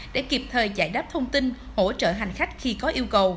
để kịp thời giải đáp thông tin hỗ trợ hành khách khi có yêu cầu